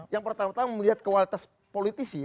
yang pertama tama melihat kualitas politisi